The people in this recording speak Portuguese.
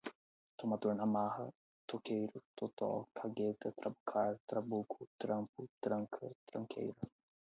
tomador na marra, toqueiro, totó, cagueta, trabucar, trabuco, trampo, tranca, tranqueira